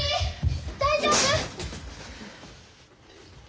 大丈夫！？